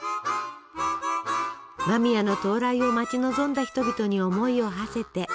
間宮の到来を待ち望んだ人々に思いをはせて。